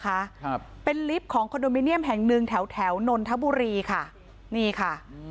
ครับเป็นลิฟต์ของคอนโดมิเนียมแห่งหนึ่งแถวแถวนนทบุรีค่ะนี่ค่ะอืม